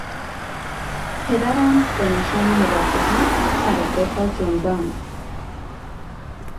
پدرم به نشان موافقت سر خود را جنباند.